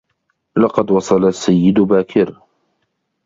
لقد وصل السّيّد باكر.